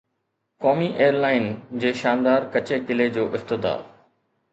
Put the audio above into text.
قومي ايئرلائن جي شاندار ڪچي قلعي جو افتتاح